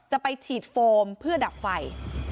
จะไปฉีดโฟมเพื่อดับไฟ